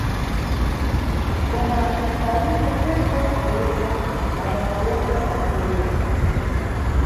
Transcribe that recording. Koma, palibe neye mʼbodzi yekha adawawona pa kubwerera.